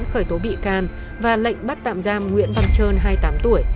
khởi tố bị can và lệnh bắt tạm giam nguyễn văn trơn hai mươi tám tuổi